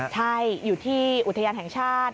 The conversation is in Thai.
ใช่อยู่ที่อุทยานแห่งชาติ